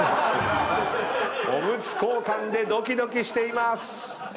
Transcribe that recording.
オムツ交換でドキドキしています！